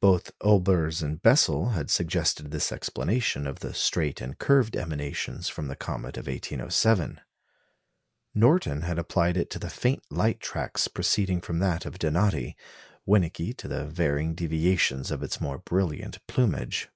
Both Olbers and Bessel had suggested this explanation of the straight and curved emanations from the comet of 1807; Norton had applied it to the faint light tracks proceeding from that of Donati; Winnecke to the varying deviations of its more brilliant plumage.